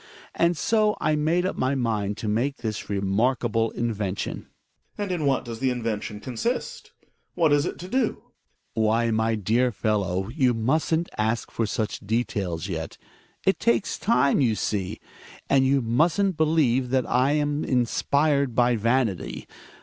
^nd so I made up my mind to make this remarkable invention. Gregers. And in what does the invention consist? What is it to do ? Hjai.mar. Why, my dear fellow, you musn't ask for such details yet. It takes time, you see. And you musn't believe that I am inspired by vanity.